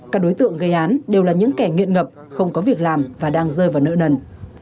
các đối tượng gây án đều là những kẻ nghiện ngập không có việc làm và đang rơi vào nợ nần